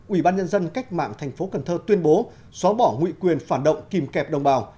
ủy ban nhân dân cách mạng thành phố cần thơ tuyên bố xóa bỏ nguy quyền phản động kìm kẹp đồng bào